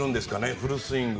フルスイング。